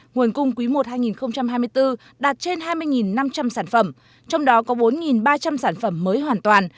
nguồn cung quý i hai nghìn hai mươi bốn đạt trên hai mươi năm trăm linh sản phẩm trong đó có bốn ba trăm linh sản phẩm mới hoàn toàn